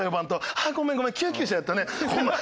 ああごめんごめん救急車やったね。